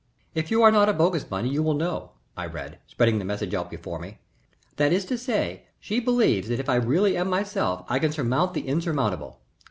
"'If you are not a bogus Bunny you will know,'" I read, spreading the message out before me. "That is to say, she believes that if I am really myself I can surmount the insurmountable.